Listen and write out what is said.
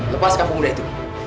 lepaskan pemuda itu